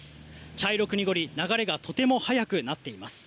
茶色く濁り流れがとても速くなっています。